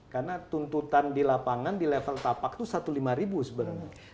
karena tuntutan di lapangan di level tapak itu seribu lima ratus ribu sebenarnya